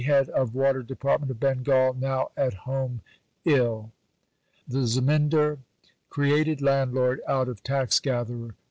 Head of Water Department of Bengal; now at home ill. THE ZEMINDAR: Created Landlord out of Tax Gatherer.